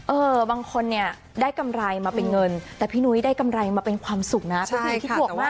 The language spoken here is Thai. เออบางคนเนี่ยได้กำไรมาเป็นเงินแต่พี่นุ้ยได้กำไรมาเป็นความสุขนะเป็นเพลงที่บวกมาก